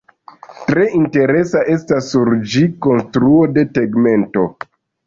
Tre interesa estas sur ĝi konstruo de tegmento.